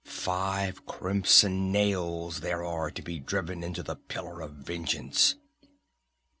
Five crimson nails there are to be driven into the pillar of vengeance!"